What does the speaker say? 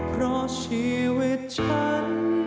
เพราะชีวิตฉัน